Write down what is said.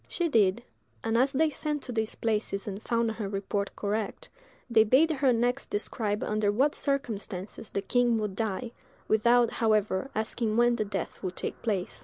She did; and as they sent to these places and found her report correct, they bade her next describe under what circumstances the king would die, without, however, asking when the death would take place.